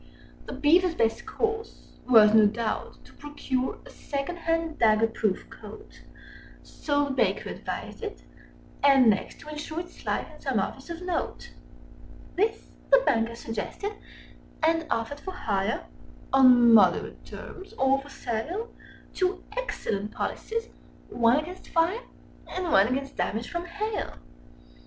The Beaver's best course was, no doubt, to procure Â Â Â Â A second hand dagger proof coat— So the Baker advised it—and next, to insure Â Â Â Â Its life in some Office of note: This the Banker suggested, and offered for hire Â Â Â Â (On moderate terms), or for sale, Two excellent Policies, one Against Fire, Â Â Â Â And one Against Damage From Hail.